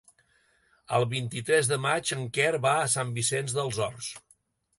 El vint-i-tres de maig en Quer va a Sant Vicenç dels Horts.